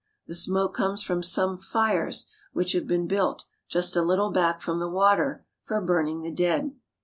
The smoke comes from some fires, which have been built, just a little back from the water, for burning the dead.